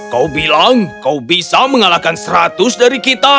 kau bilang kau bisa mengalahkan seratus dari kita